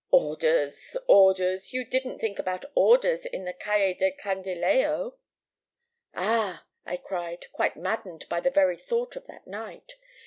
"'Orders! orders! You didn't think about orders in the Calle del Candilejo!' "'Ah!' I cried, quite maddened by the very thought of that night.